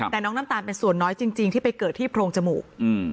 แต่น้องน้ำตาลเป็นส่วนน้อยจริงที่ไปเกิดที่โพรงจมูก